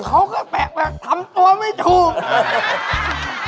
เขาก็แปลกแบบทำตัวไม่ถูก